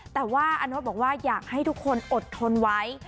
แต่ว่าอาโน๊ตบอกว่าอยากให้ทุกคนอดทนไว้